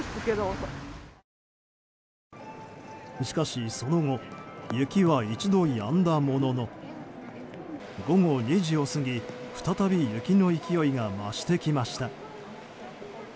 しかし、その後雪は一度やんだものの午後２時を過ぎ再び雪の勢いが増してきました。